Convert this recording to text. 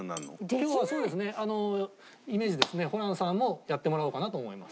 今日はそうですねイメージですねホランさんもやってもらおうかなと思います。